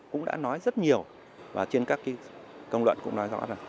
cũng đã nói rất nhiều và trên các công luận cũng nói rõ là